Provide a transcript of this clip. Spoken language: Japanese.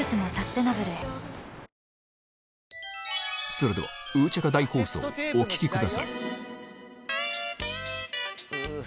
それでは、ウーチャカ大放送、お聴きください。